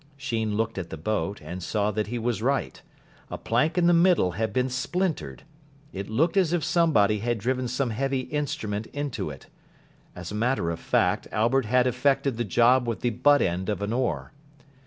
Sheen looked at the boat, and saw that he was right. A plank in the middle had been splintered. It looked as if somebody had driven some heavy instrument into it. As a matter of fact, Albert had effected the job with the butt end of an oar.